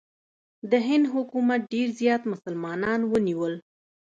د هند حکومت ډېر زیات مسلمانان ونیول.